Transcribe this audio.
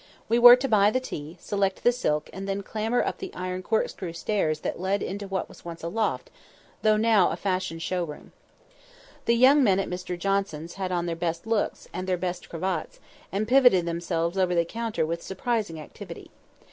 We were to buy the tea, select the silk, and then clamber up the iron corkscrew stairs that led into what was once a loft, though now a fashion show room. The young men at Mr Johnson's had on their best looks; and their best cravats, and pivoted themselves over the counter with surprising activity.